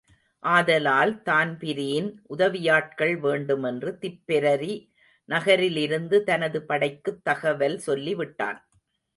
ஆதலால், தான்பிரீன் உதவியாட்கள் வேண்டுமென்று திப்பெரரி நகரலிருந்து தனது படைக்குத் தகவல் சொல்லிவிட்டான்.